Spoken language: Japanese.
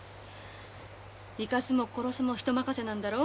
生かすも殺すも人任せなんだろ？